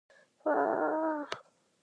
Courses operate over a two-year period.